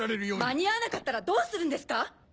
間に合わなかったらどうするんですか？